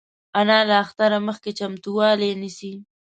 انا له اختره مخکې چمتووالی نیسي